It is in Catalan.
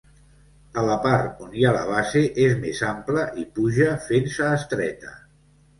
A la part on hi ha la base és més ampla i puja fent-se estreta.